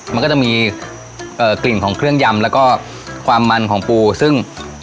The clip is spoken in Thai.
มันก็จะมีกลิ่นของเครื่องยำแล้วก็ความมันของปูซึ่ง